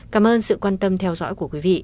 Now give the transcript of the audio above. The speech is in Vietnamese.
cảm ơn sự quan tâm theo dõi của quý vị